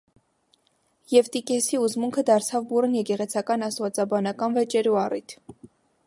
Եվտիքեսի ուսմունքը դարձաւ բուռն եկեղեցական աստուածաբանական վեճերու առիթ։